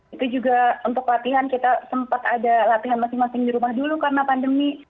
itu juga untuk latihan kita sempat ada latihan masing masing di rumah dulu karena pandemi